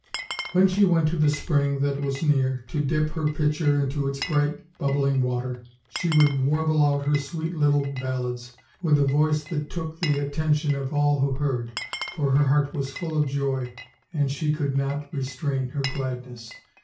When she went to the spring that was near, to dip her pitcher into its bright bubbling water, she would warble out her sweet little ballads with a voice that took the at tention of all who heard, for her heart was full of joy and she could not restrain her gladness.